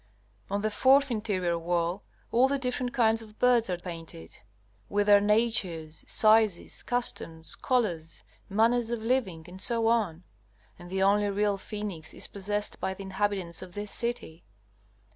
On the fourth interior wall all the different kinds of birds are painted, with their natures, sizes, customs, colors, manner of living, etc.; and the only real phoenix is possessed by the inhabitants of this city.